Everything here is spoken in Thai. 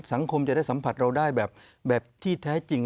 สังคมจะได้สัมผัสเราได้แบบที่แท้จริง